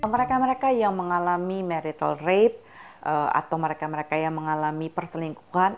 mereka mereka yang mengalami merital rape atau mereka mereka yang mengalami perselingkuhan